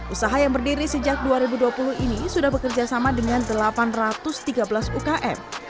usaha yang berdiri sejak dua ribu dua puluh ini sudah bekerja sama dengan delapan ratus tiga belas ukm